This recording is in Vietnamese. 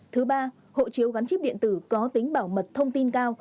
thứ ba hộ chiếu gắn chip điện tử có tính bảo mật thông tin cao